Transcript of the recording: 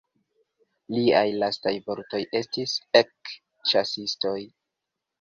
Liaj lastaj vortoj estis: "Ek, ĉasistoj!